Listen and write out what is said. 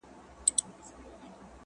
مېوې ویټامینونه لري.